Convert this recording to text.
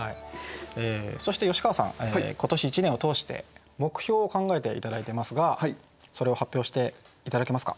そして吉川さん今年１年を通して目標を考えて頂いていますがそれを発表して頂けますか？